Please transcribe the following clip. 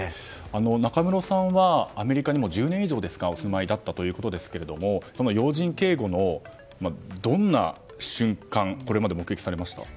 中室さんは、アメリカにも１０年以上お住まいだったということですが要人警護の、どんな瞬間をこれまで目撃されましたか？